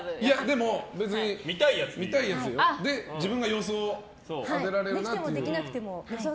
でも、別に見たいやつで自分が予想当てられるなってやつを。